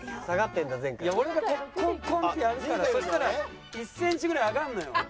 いや俺がこうコンコンってやるからそしたら１センチぐらい上がるのよ。